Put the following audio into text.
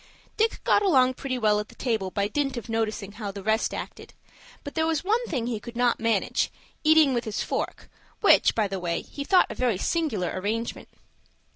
Dick got along pretty well at the table by dint of noticing how the rest acted, but there was one thing he could not manage, eating with his fork, which, by the way, he thought a very singular arrangement.